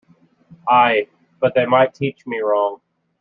Aye, but they might teach me wrong!